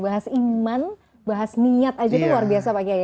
bahas iman bahas niat aja luar biasa pak gey